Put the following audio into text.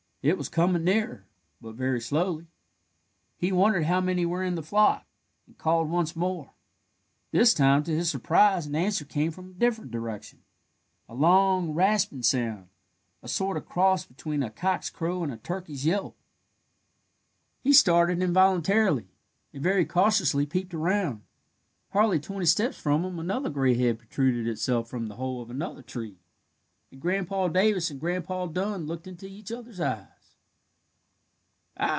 It was coming nearer, but very slowly. He wondered how many were in the flock, and called once more. This time, to his surprise, an answer came from a different direction a long, rasping sound, a sort of cross between a cock's crow and a turkey's yelp. He started involuntarily, and very cautiously peeped around. Hardly twenty steps from him another gray head protruded itself from the hole of another tree, and Grandpa Davis and Grandpa Dun looked into each other's eyes.